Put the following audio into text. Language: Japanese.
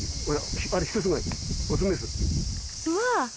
うわ！